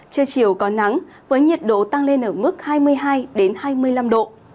trưa chiều có nắng với nhiệt độ tăng lên ở mức hai mươi hai hai mươi năm độ